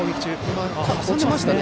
今、落ちましたね。